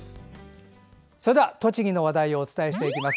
それでは栃木の話題をお伝えしていきます。